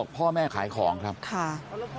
พ่อแม่ขายของครับค่ะ